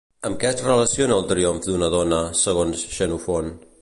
Amb què es relaciona el triomf d'una dona, segons Xenofont?